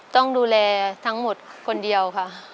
ต้องดูแลทั้งหมดคนเดียวค่ะ